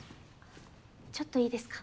ちょっといいですか？